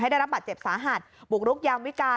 ได้รับบาดเจ็บสาหัสบุกรุกยามวิการ